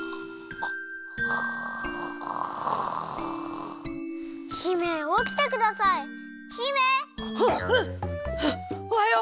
あっおはよう！